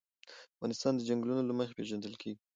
افغانستان د چنګلونه له مخې پېژندل کېږي.